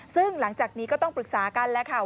ซึ่งหลังจากนี้ก็ต้องปรึกษากันแล้วค่ะ